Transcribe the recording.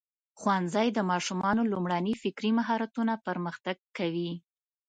ښوونځی د ماشومانو لومړني فکري مهارتونه پرمختګ کوي.